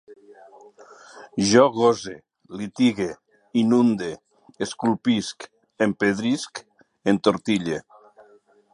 Jo gose, litigue, inunde, esculpisc, empedrisc, entortille